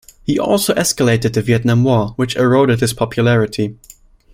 He also escalated the Vietnam War, which eroded his popularity.